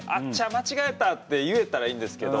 間違えた！って言えたらいいんですけど。